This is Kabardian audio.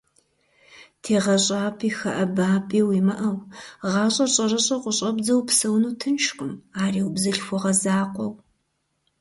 ТегъэщӀапӀи хэӀэбапӀи уимыӀэу, гъащӀэр щӀэрыщӀэу къыщӀэбдзэу упсэуну тыншкъым, ари убзылъхугъэ закъуэу.